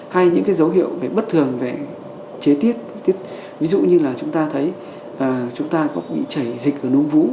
hay những dấu hiệu bất thường về chế tiết ví dụ như chúng ta thấy chúng ta có bị chảy dịch ở nôn vũ